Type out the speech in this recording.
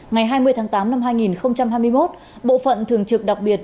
ngày hai mươi tháng tám năm hai nghìn hai mươi một bộ phận thường trực đặc biệt